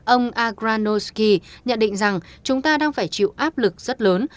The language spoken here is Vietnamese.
ông agranosky nhận định rằng chúng ta đang phải chịu áp lực rất lớn